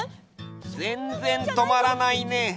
ぜんぜんとまらないね。